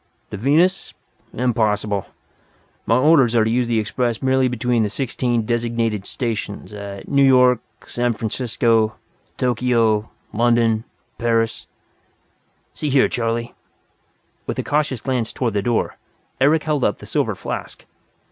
"To Venus? Impossible. My orders are to use the Express merely between the sixteen designated stations, at New York, San Francisco, Tokyo, London, Paris " "See here, Charley," with a cautious glance toward the door, Eric held up the silver flask.